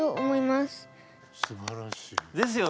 すばらしい。